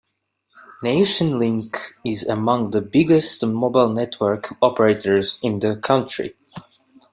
Nationlink is among the biggest mobile network operators in the country.